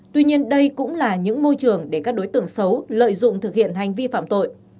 tuy nhiên đây cũng là những môi trường để các đối tượng xấu lợi dụng thực hiện hành vi phạm tội